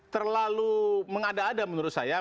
terlalu mengada ada menurut saya